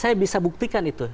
saya bisa buktikan itu